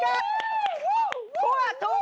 ขอเพียงหนูถูกต้อง